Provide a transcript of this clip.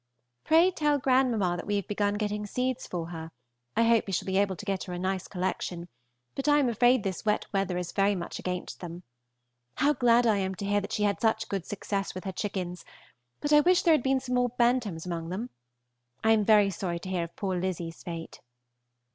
Pray tell grandmamma that we have begun getting seeds for her; I hope we shall be able to get her a nice collection, but I am afraid this wet weather is very much against them. How glad I am to hear she has had such good success with her chickens, but I wish there had been more bantams amongst them. I am very sorry to hear of poor Lizzie's fate.